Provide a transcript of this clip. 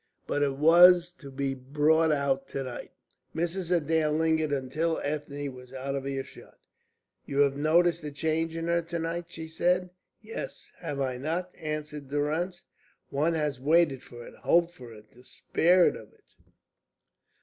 But it was to be brought out to night. Mrs. Adair lingered until Ethne was out of ear shot. "You have noticed the change in her to night?" she said. "Yes. Have I not?" answered Durrance. "One has waited for it, hoped for it, despaired of it."